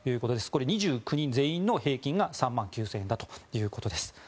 これは２９人全員の平均が３万９０００円ということです。